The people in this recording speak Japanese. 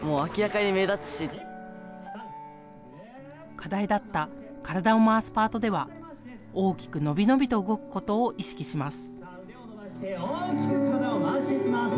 課題だった体を回すパートでは大きく、伸び伸び動くことを意識します。